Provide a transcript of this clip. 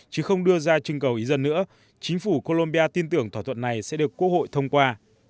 chứ không đưa ra trưng cầu ý dân nữa chính phủ colombia tin tưởng thỏa thuận này sẽ được quốc hội thông qua